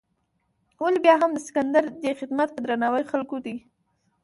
ولې بیا هم د سکندر دې خدمت په درناوي خلکو دی.